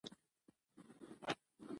او بايد خپله جزا وګوري .